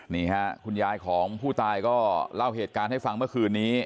นี่ค่ะคุณยายของผู้ตายก็เล่าเหตุการณ์ให้ฟังเมื่อคืนนี้